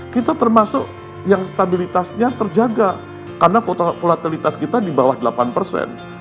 kita termasuk yang stabilitasnya terjaga karena volatilitas kita di bawah delapan persen